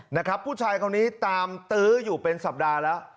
นะครับผู้ชายคนนี้ตามตื้ออยู่เป็นสัปดาห์แล้ว